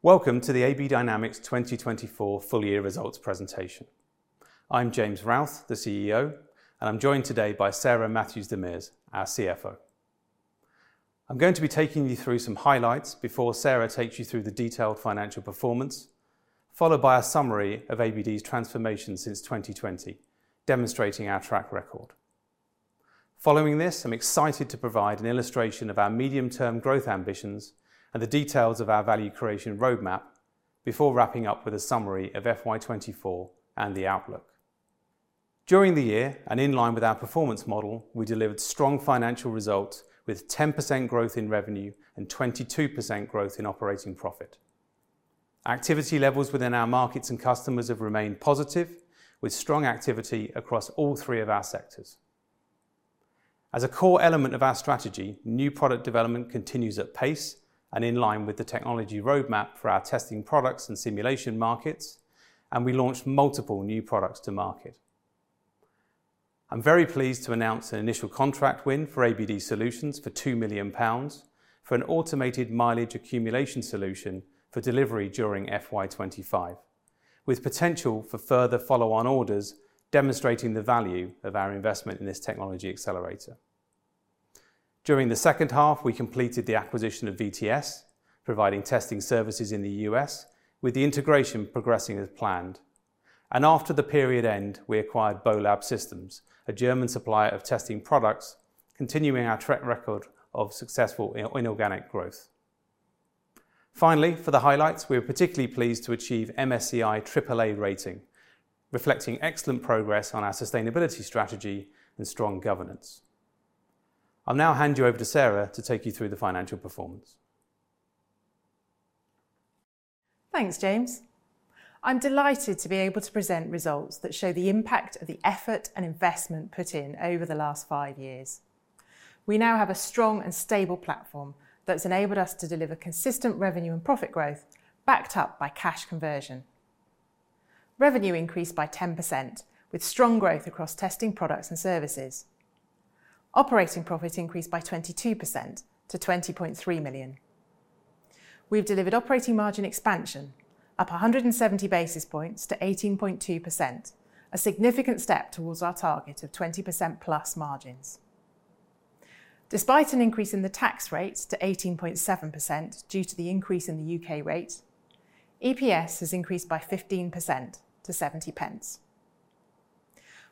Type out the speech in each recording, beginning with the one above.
Welcome to the AB Dynamics 2024 full-year results presentation. I'm James Routh, the CEO, and I'm joined today by Sarah Matthews-DeMers, our CFO. I'm going to be taking you through some highlights before Sarah takes you through the detailed financial performance, followed by a summary of ABD's transformation since 2020, demonstrating our track record. Following this, I'm excited to provide an illustration of our medium-term growth ambitions and the details of our value creation roadmap before wrapping up with a summary of FY 2024 and the outlook. During the year, and in line with our performance model, we delivered strong financial results with 10% growth in revenue and 22% growth in operating profit. Activity levels within our markets and customers have remained positive, with strong activity across all three of our sectors. As a core element of our strategy, new product development continues at pace and in line with the technology roadmap for our testing products and simulation markets, and we launched multiple new products to market. I'm very pleased to announce an initial contract win for ABD Solutions for 2 million pounds for an automated mileage accumulation solution for delivery during FY 2025, with potential for further follow-on orders demonstrating the value of our investment in this technology accelerator. During the second half, we completed the acquisition of VTS, providing testing services in the U.S., with the integration progressing as planned. And after the period end, we acquired BOLAB Systems, a German supplier of testing products, continuing our track record of successful inorganic growth. Finally, for the highlights, we were particularly pleased to achieve MSCI AAA rating, reflecting excellent progress on our sustainability strategy and strong governance. I'll now hand you over to Sarah to take you through the financial performance. Thanks, James. I'm delighted to be able to present results that show the impact of the effort and investment put in over the last five years. We now have a strong and stable platform that's enabled us to deliver consistent revenue and profit growth, backed up by cash conversion. Revenue increased by 10%, with strong growth across testing products and services. Operating profits increased by 22% to 20.3 million. We've delivered operating margin expansion, up 170 basis points to 18.2%, a significant step towards our target of 20%+ margins. Despite an increase in the tax rate to 18.7% due to the increase in the U.K. rate, EPS has increased by 15% to 0.70.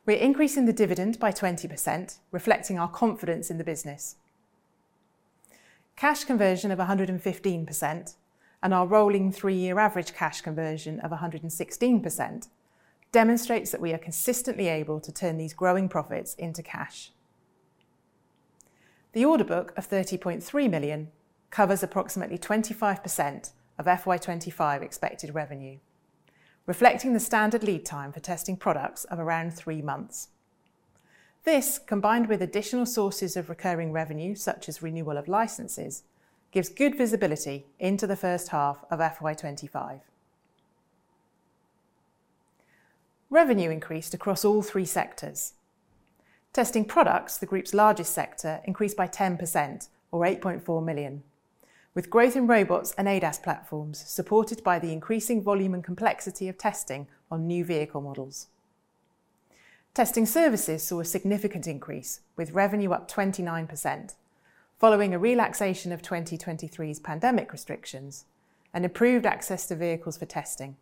We're increasing the dividend by 20%, reflecting our confidence in the business. Cash conversion of 115% and our rolling three-year average cash conversion of 116% demonstrates that we are consistently able to turn these growing profits into cash. The order book of 30.3 million covers approximately 25% of FY 2025 expected revenue, reflecting the standard lead time for testing products of around three months. This, combined with additional sources of recurring revenue, such as renewal of licenses, gives good visibility into the first half of FY 2025. Revenue increased across all three sectors. Testing products, the group's largest sector, increased by 10%, or 8.4 million, with growth in robots and ADAS platforms supported by the increasing volume and complexity of testing on new vehicle models. Testing services saw a significant increase, with revenue up 29%, following a relaxation of 2023's pandemic restrictions and improved access to vehicles for testing.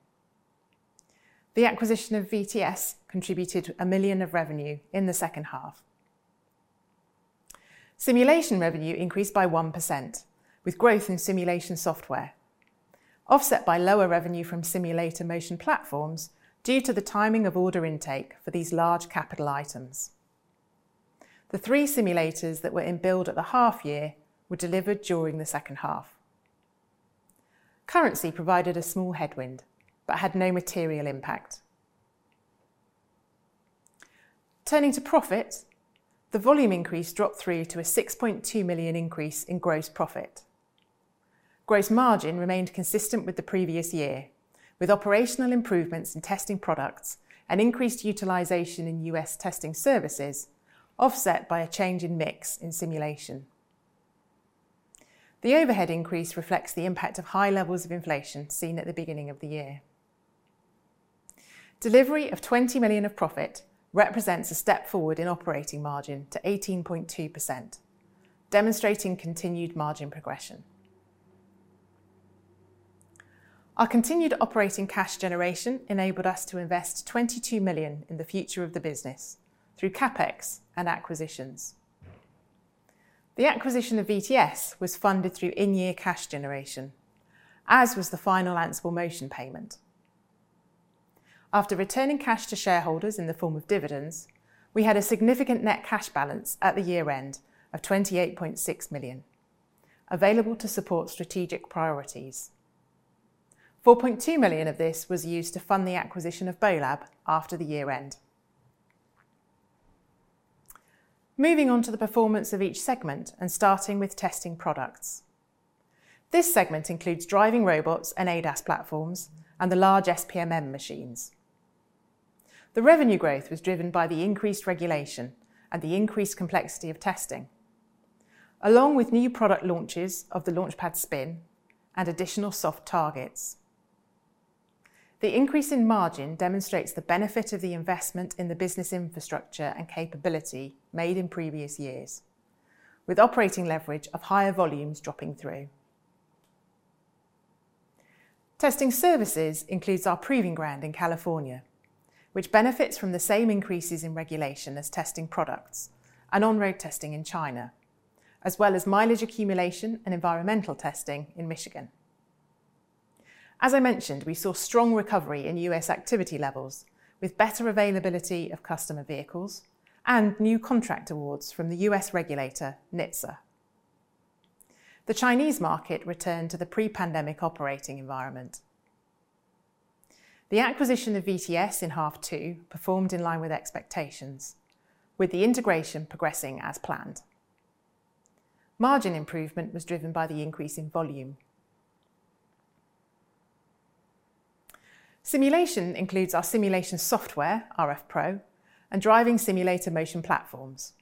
The acquisition of VTS contributed 1 million of revenue in the second half. Simulation revenue increased by 1%, with growth in simulation software, offset by lower revenue from simulator motion platforms due to the timing of order intake for these large capital items. The three simulators that were in build at the half year were delivered during the second half. Currency provided a small headwind but had no material impact. Turning to profits, the volume increase dropped through to a 6.2 million increase in gross profit. Gross margin remained consistent with the previous year, with operational improvements in testing products and increased utilization in U.S. testing services, offset by a change in mix in simulation. The overhead increase reflects the impact of high levels of inflation seen at the beginning of the year. Delivery of 20 million of profit represents a step forward in operating margin to 18.2%, demonstrating continued margin progression. Our continued operating cash generation enabled us to invest 22 million in the future of the business through CapEx and acquisitions. The acquisition of VTS was funded through in-year cash generation, as was the final Ansible Motion payment. After returning cash to shareholders in the form of dividends, we had a significant net cash balance at the year-end of 28.6 million, available to support strategic priorities. 4.2 million of this was used to fund the acquisition of BOLAB after the year-end. Moving on to the performance of each segment and starting with testing products. This segment includes driving robots and ADAS platforms and the large SPMM machines. The revenue growth was driven by the increased regulation and the increased complexity of testing, along with new product launches of the LaunchPad Spin and additional soft targets. The increase in margin demonstrates the benefit of the investment in the business infrastructure and capability made in previous years, with operating leverage of higher volumes dropping through. Testing services includes our proving ground in California, which benefits from the same increases in regulation as testing products and on-road testing in China, as well as mileage accumulation and environmental testing in Michigan. As I mentioned, we saw strong recovery in U.S. activity levels, with better availability of customer vehicles and new contract awards from the U.S. regulator NHTSA. The Chinese market returned to the pre-pandemic operating environment. The acquisition of VTS in half two performed in line with expectations, with the integration progressing as planned. Margin improvement was driven by the increase in volume. Simulation includes our simulation software, rFpro, and driving simulator motion platforms.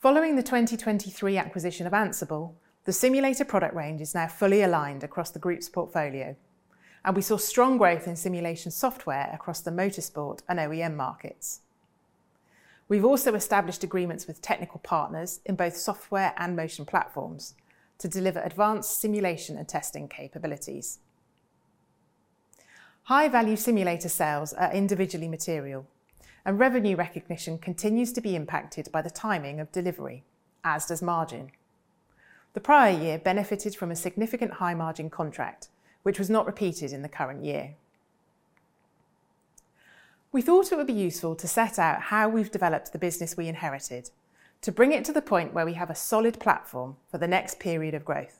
Following the 2023 acquisition of Ansible, the simulator product range is now fully aligned across the group's portfolio, and we saw strong growth in simulation software across the motorsport and OEM markets. We've also established agreements with technical partners in both software and motion platforms to deliver advanced simulation and testing capabilities. High-value simulator sales are individually material, and revenue recognition continues to be impacted by the timing of delivery, as does margin. The prior year benefited from a significant high-margin contract, which was not repeated in the current year. We thought it would be useful to set out how we've developed the business we inherited to bring it to the point where we have a solid platform for the next period of growth,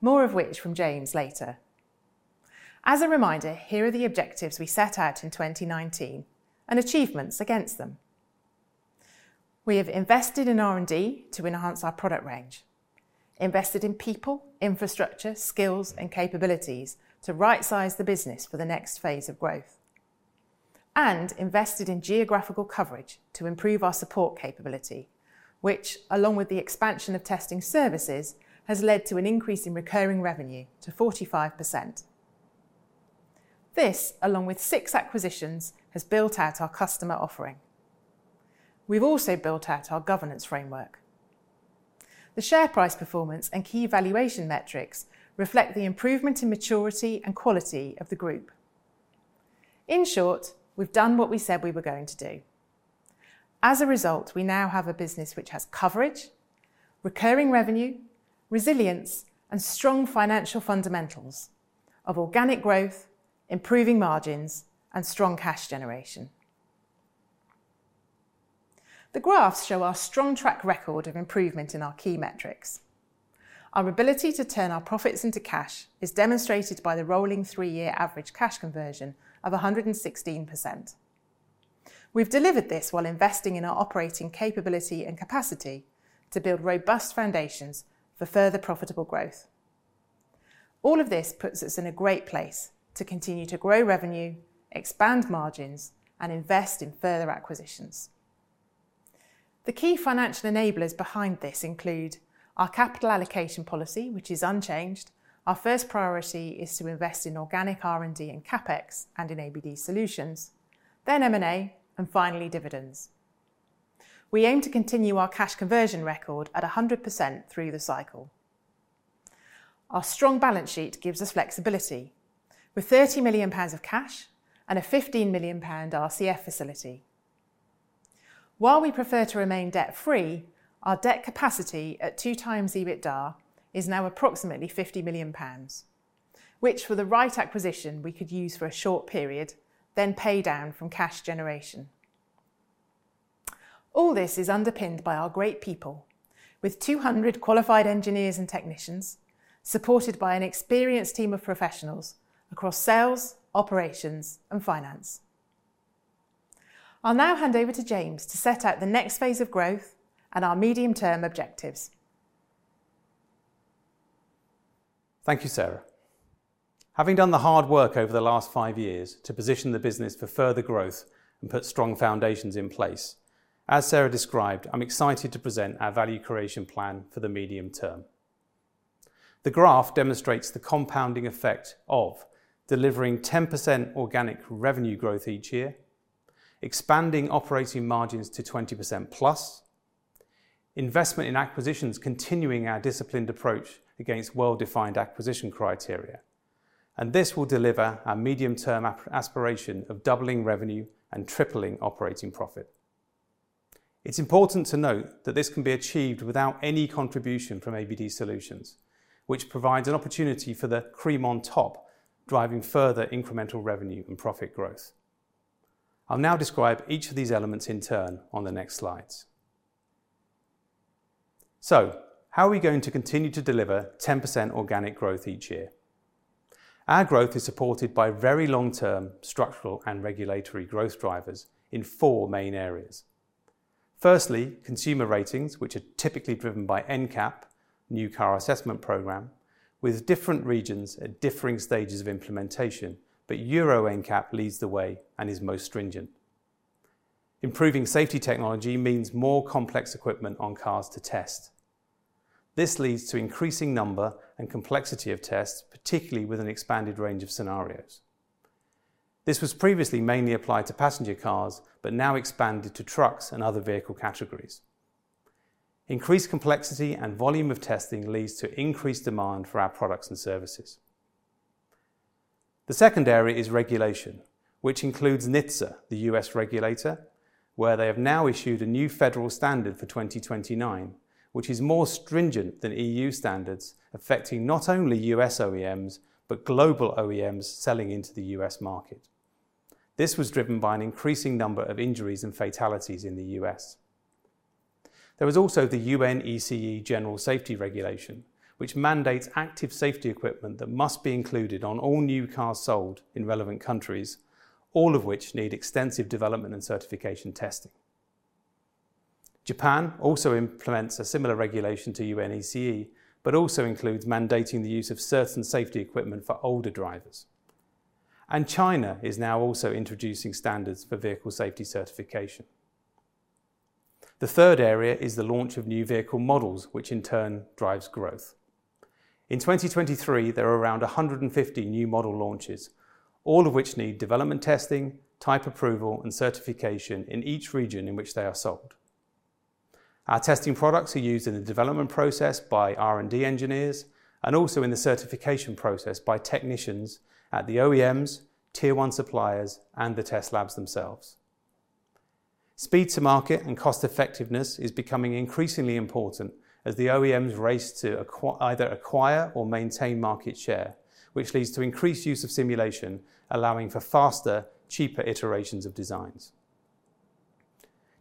more of which from James later. As a reminder, here are the objectives we set out in 2019 and achievements against them. We have invested in R&D to enhance our product range, invested in people, infrastructure, skills, and capabilities to right-size the business for the next phase of growth, and invested in geographical coverage to improve our support capability, which, along with the expansion of testing services, has led to an increase in recurring revenue to 45%. This, along with six acquisitions, has built out our customer offering. We've also built out our governance framework. The share price performance and key valuation metrics reflect the improvement in maturity and quality of the group. In short, we've done what we said we were going to do. As a result, we now have a business which has coverage, recurring revenue, resilience, and strong financial fundamentals of organic growth, improving margins, and strong cash generation. The graphs show our strong track record of improvement in our key metrics. Our ability to turn our profits into cash is demonstrated by the rolling three-year average cash conversion of 116%. We've delivered this while investing in our operating capability and capacity to build robust foundations for further profitable growth. All of this puts us in a great place to continue to grow revenue, expand margins, and invest in further acquisitions. The key financial enablers behind this include our capital allocation policy, which is unchanged. Our first priority is to invest in organic R&D and CapEx and in ABD Solutions, then M&A, and finally dividends. We aim to continue our cash conversion record at 100% through the cycle. Our strong balance sheet gives us flexibility, with 30 million pounds of cash and a 15 million pound RCF facility. While we prefer to remain debt-free, our debt capacity at two times EBITDA is now approximately 50 million pounds, which, for the right acquisition, we could use for a short period, then pay down from cash generation. All this is underpinned by our great people, with 200 qualified engineers and technicians supported by an experienced team of professionals across sales, operations, and finance. I'll now hand over to James to set out the next phase of growth and our medium-term objectives. Thank you, Sarah. Having done the hard work over the last five years to position the business for further growth and put strong foundations in place, as Sarah described, I'm excited to present our value creation plan for the medium term. The graph demonstrates the compounding effect of delivering 10% organic revenue growth each year, expanding operating margins to 20%+, investment in acquisitions, continuing our disciplined approach against well-defined acquisition criteria, and this will deliver our medium-term aspiration of doubling revenue and tripling operating profit. It's important to note that this can be achieved without any contribution from ABD Solutions, which provides an opportunity for the cream on top, driving further incremental revenue and profit growth. I'll now describe each of these elements in turn on the next slides. So, how are we going to continue to deliver 10% organic growth each year? Our growth is supported by very long-term structural and regulatory growth drivers in four main areas. Firstly, consumer ratings, which are typically driven by NCAP, New Car Assessment Program, with different regions at differing stages of implementation, but Euro NCAP leads the way and is most stringent. Improving safety technology means more complex equipment on cars to test. This leads to increasing number and complexity of tests, particularly with an expanded range of scenarios. This was previously mainly applied to passenger cars, but now expanded to trucks and other vehicle categories. Increased complexity and volume of testing leads to increased demand for our products and services. The second area is regulation, which includes NHTSA, the U.S. regulator, where they have now issued a new federal standard for 2029, which is more stringent than E.U. standards, affecting not only U.S. OEMs but global OEMs selling into the U.S. market. This was driven by an increasing number of injuries and fatalities in the U.S. There was also the UNECE General Safety Regulation, which mandates active safety equipment that must be included on all new cars sold in relevant countries, all of which need extensive development and certification testing. Japan also implements a similar regulation to UNECE, but also includes mandating the use of certain safety equipment for older drivers, and China is now also introducing standards for vehicle safety certification. The third area is the launch of new vehicle models, which in turn drives growth. In 2023, there are around 150 new model launches, all of which need development testing, type approval, and certification in each region in which they are sold. Our testing products are used in the development process by R&D engineers and also in the certification process by technicians at the OEMs, Tier 1 suppliers, and the test labs themselves. Speed to market and cost effectiveness is becoming increasingly important as the OEMs race to either acquire or maintain market share, which leads to increased use of simulation, allowing for faster, cheaper iterations of designs.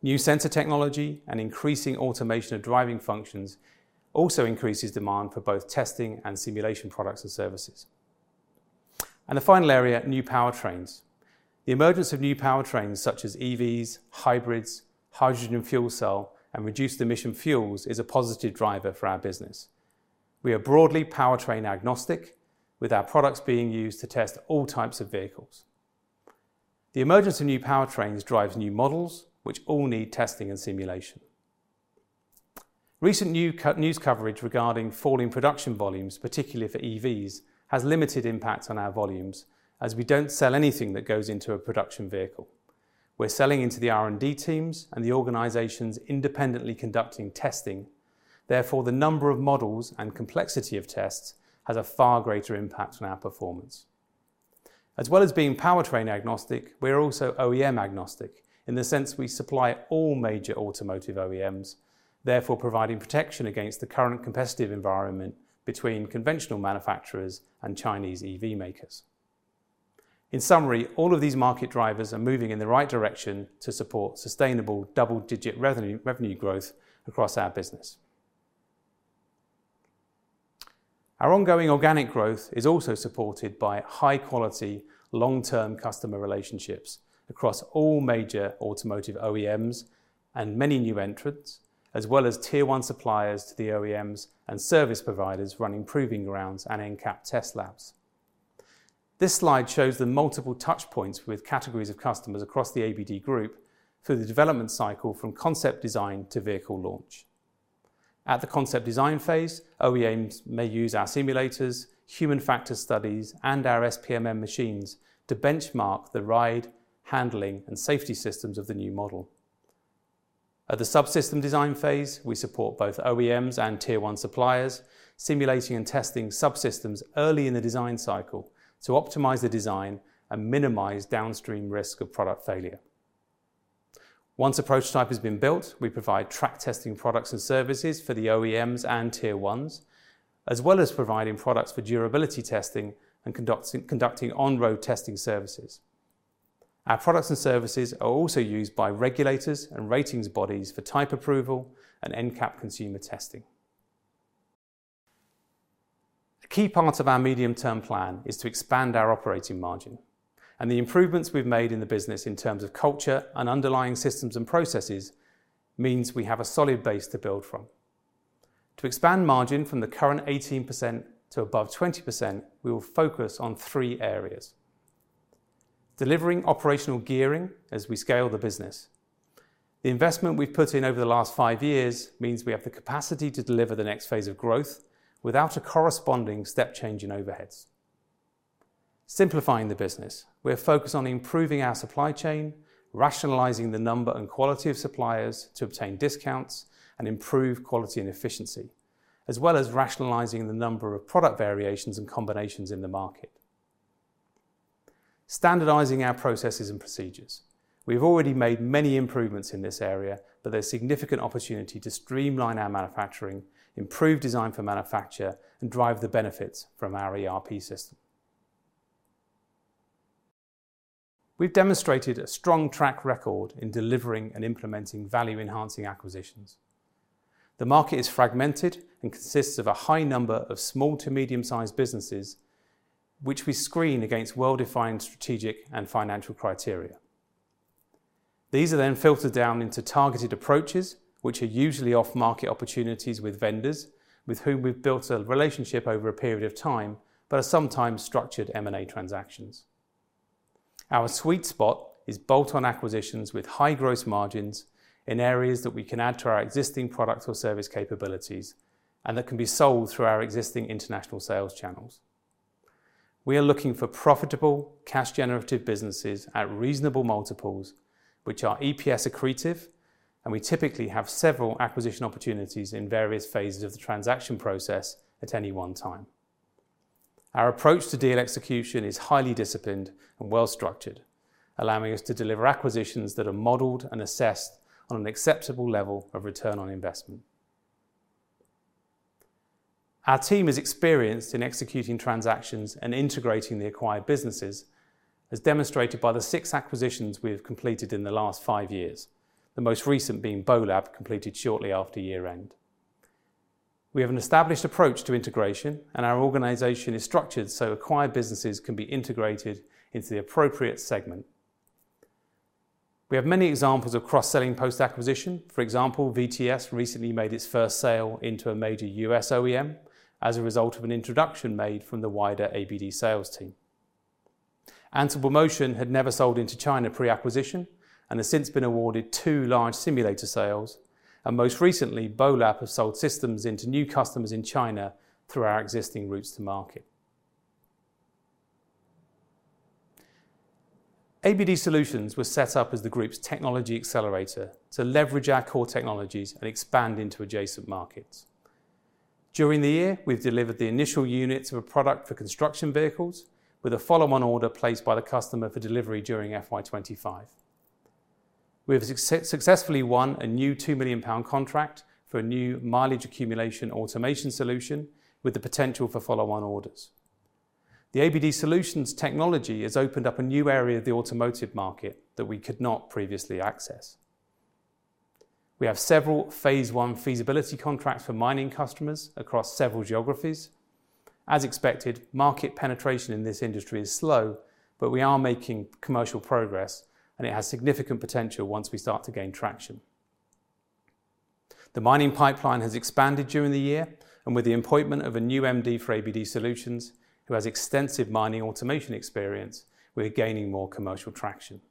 New sensor technology and increasing automation of driving functions also increases demand for both testing and simulation products and services, and the final area, new powertrains. The emergence of new powertrains, such as EVs, hybrids, hydrogen fuel cells, and reduced emission fuels, is a positive driver for our business. We are broadly powertrain agnostic, with our products being used to test all types of vehicles. The emergence of new powertrains drives new models, which all need testing and simulation. Recent news coverage regarding falling production volumes, particularly for EVs, has limited impact on our volumes, as we don't sell anything that goes into a production vehicle. We're selling into the R&D teams and the organizations independently conducting testing. Therefore, the number of models and complexity of tests has a far greater impact on our performance. As well as being powertrain agnostic, we are also OEM agnostic in the sense we supply all major automotive OEMs, therefore providing protection against the current competitive environment between conventional manufacturers and Chinese EV makers. In summary, all of these market drivers are moving in the right direction to support sustainable double-digit revenue growth across our business. Our ongoing organic growth is also supported by high-quality, long-term customer relationships across all major automotive OEMs and many new entrants, as well as Tier 1 suppliers to the OEMs and service providers running proving grounds and NCAP test labs. This slide shows the multiple touch points with categories of customers across the AB Dynamics group for the development cycle from concept design to vehicle launch. At the concept design phase, OEMs may use our simulators, human factor studies, and our SPMM machines to benchmark the ride, handling, and safety systems of the new model. At the subsystem design phase, we support both OEMs and Tier 1 suppliers, simulating and testing subsystems early in the design cycle to optimize the design and minimize downstream risk of product failure. Once a prototype has been built, we provide track testing products and services for the OEMs and Tier 1s, as well as providing products for durability testing and conducting on-road testing services. Our products and services are also used by regulators and ratings bodies for type approval and NCAP consumer testing. A key part of our medium-term plan is to expand our operating margin, and the improvements we've made in the business in terms of culture and underlying systems and processes means we have a solid base to build from. To expand margin from the current 18% to above 20%, we will focus on three areas: delivering operational gearing as we scale the business. The investment we've put in over the last five years means we have the capacity to deliver the next phase of growth without a corresponding step change in overheads. Simplifying the business, we are focused on improving our supply chain, rationalizing the number and quality of suppliers to obtain discounts and improve quality and efficiency, as well as rationalizing the number of product variations and combinations in the market. Standardizing our processes and procedures. We have already made many improvements in this area, but there's significant opportunity to streamline our manufacturing, improve design for manufacture, and drive the benefits from our ERP system. We've demonstrated a strong track record in delivering and implementing value-enhancing acquisitions. The market is fragmented and consists of a high number of small to medium-sized businesses, which we screen against well-defined strategic and financial criteria. These are then filtered down into targeted approaches, which are usually off-market opportunities with vendors with whom we've built a relationship over a period of time, but are sometimes structured M&A transactions. Our sweet spot is bolt-on acquisitions with high gross margins in areas that we can add to our existing product or service capabilities and that can be sold through our existing international sales channels. We are looking for profitable cash-generative businesses at reasonable multiples, which are EPS accretive, and we typically have several acquisition opportunities in various phases of the transaction process at any one time. Our approach to deal execution is highly disciplined and well-structured, allowing us to deliver acquisitions that are modeled and assessed on an acceptable level of return on investment. Our team is experienced in executing transactions and integrating the acquired businesses, as demonstrated by the six acquisitions we have completed in the last five years, the most recent being BOLAB, completed shortly after year-end. We have an established approach to integration, and our organization is structured so acquired businesses can be integrated into the appropriate segment. We have many examples of cross-selling post-acquisition. For example, VTS recently made its first sale into a major U.S. OEM as a result of an introduction made from the wider ABD sales team. Ansible Motion had never sold into China pre-acquisition and has since been awarded two large simulator sales, and most recently, BOLAB has sold systems into new customers in China through our existing routes to market. ABD Solutions was set up as the group's technology accelerator to leverage our core technologies and expand into adjacent markets. During the year, we've delivered the initial units of a product for construction vehicles, with a follow-on order placed by the customer for delivery during FY 2025. We have successfully won a new 2 million pound contract for a new mileage accumulation automation solution with the potential for follow-on orders. The ABD Solutions technology has opened up a new area of the automotive market that we could not previously access. We have several phase one feasibility contracts for mining customers across several geographies. As expected, market penetration in this industry is slow, but we are making commercial progress, and it has significant potential once we start to gain traction. The mining pipeline has expanded during the year, and with the appointment of a new MD for ABD Solutions, who has extensive mining automation experience, we are gaining more commercial traction.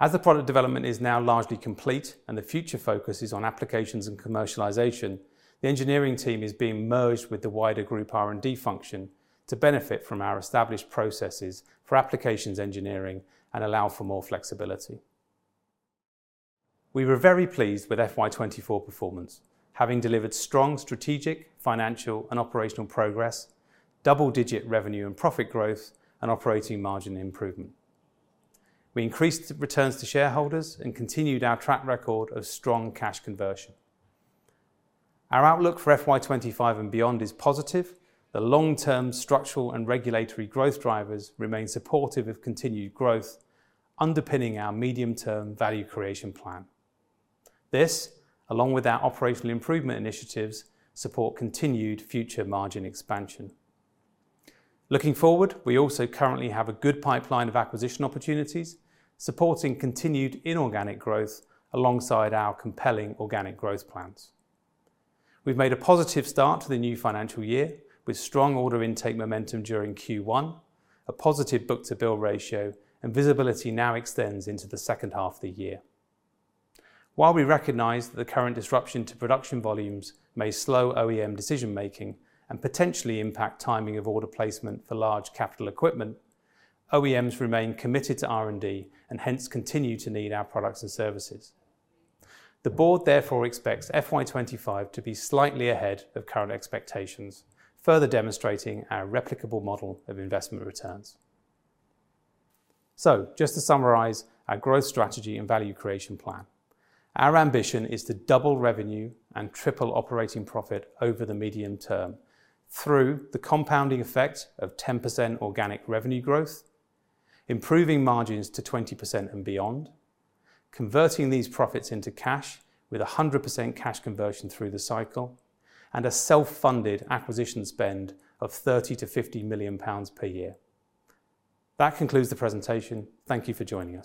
As the product development is now largely complete and the future focus is on applications and commercialization, the engineering team is being merged with the wider group R&D function to benefit from our established processes for applications engineering and allow for more flexibility. We were very pleased with FY 2024 performance, having delivered strong strategic, financial, and operational progress, double-digit revenue and profit growth, and operating margin improvement. We increased returns to shareholders and continued our track record of strong cash conversion. Our outlook for FY 2025 and beyond is positive. The long-term structural and regulatory growth drivers remain supportive of continued growth, underpinning our medium-term value creation plan. This, along with our operational improvement initiatives, supports continued future margin expansion. Looking forward, we also currently have a good pipeline of acquisition opportunities, supporting continued inorganic growth alongside our compelling organic growth plans. We've made a positive start to the new financial year with strong order intake momentum during Q1, a positive book-to-bill ratio, and visibility now extends into the second half of the year. While we recognize that the current disruption to production volumes may slow OEM decision-making and potentially impact timing of order placement for large capital equipment, OEMs remain committed to R&D and hence continue to need our products and services. The board therefore expects FY 2025 to be slightly ahead of current expectations, further demonstrating our replicable model of investment returns. Just to summarize our growth strategy and value creation plan, our ambition is to double revenue and triple operating profit over the medium term through the compounding effect of 10% organic revenue growth, improving margins to 20% and beyond, converting these profits into cash with 100% cash conversion through the cycle, and a self-funded acquisition spend of 30 million-50 million pounds per year. That concludes the presentation. Thank you for joining us.